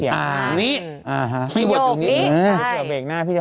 อย่างนี้ตีโยคอยู่นี้